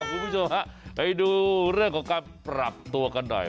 คุณผู้ชมฮะไปดูเรื่องของการปรับตัวกันหน่อย